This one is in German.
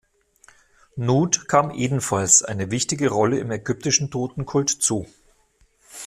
Nut kam ebenfalls eine wichtige Rolle im ägyptischen Totenkult zu.